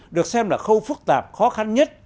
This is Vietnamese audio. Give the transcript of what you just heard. được xem là khâu phức tạp khó khăn nhất